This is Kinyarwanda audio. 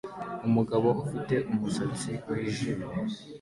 Umugabo ufite umusatsi wijimye